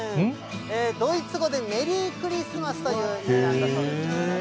ドイツ語でメリークリスマスという意味なんだそうですね。